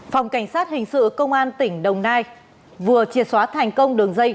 phòng cảnh sát hình sự công an tỉnh đồng nai vừa triệt xóa thành công đường dây